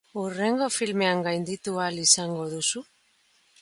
Hurrengo filmean gainditu ahal izango duzu?